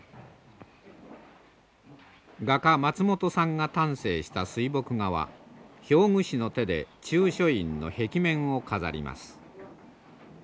画家本さんが丹精した水墨画は表具師の手で中書院の壁面を飾ります。